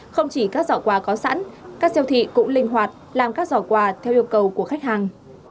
không chỉ các giỏ quà có sẵn các siêu thị cũng linh hoạt làm các giỏ quà theo yêu cầu của khách hàng